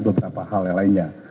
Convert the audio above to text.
beberapa hal lainnya